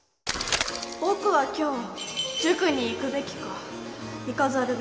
僕は今日塾に行くべきか行かざるべきか。